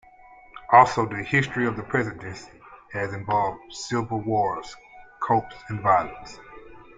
Also, the history of the presidency has involved civil wars, coups and violence.